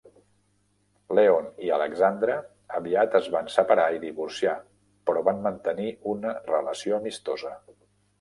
Leon i Alexandra aviat es van separar i divorciar, però van mantenir una relació amistosa.